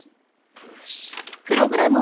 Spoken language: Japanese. ブース。